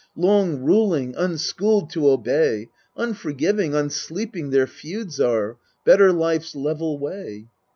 Long ruling, unschooled to obey Unforgiving, unsleeping their feuds are. Better life's level way.